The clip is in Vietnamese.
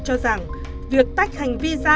cho rằng việc tách hành visa